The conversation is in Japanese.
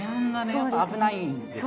やっぱ危ないんですね。